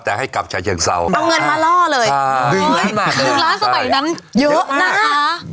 แต่ให้กลับชายเชียงเศร้าเอาเงินมาล่อเลยคือล้านสมัยนั้นเยอะนะ